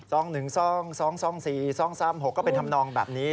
ท่องหนึ่งท่องสองท่องสองสี่ท่องสามหกก็เป็นทำนองแบบนี้